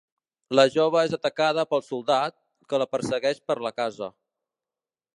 La jove és atacada pel soldat, que la persegueix per la casa.